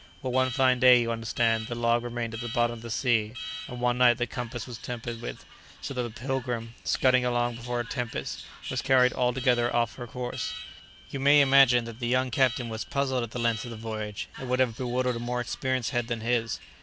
Well, one fine day, you understand, the log remained at the bottom of the sea, and one night the compass was tampered with, so that the 'Pilgrim,' scudding along before a tempest, was carried altogether out of her course. You may imagine the young captain was puzzled at the length of the voyage; it would have bewildered a more experienced head than his.